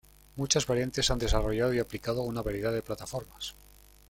Muchas variantes se han desarrollado y aplicado a una variedad de plataformas.